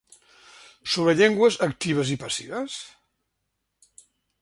Sobre llengües actives i passives?